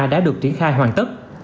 đã được triển khai hoàn tất